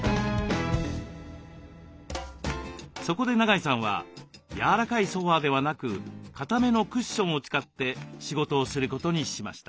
そこで長井さんはやわらかいソファーではなくかためのクッションを使って仕事をすることにしました。